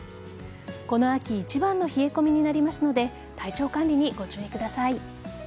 この秋一番の冷え込みになりますので体調管理にご注意ください。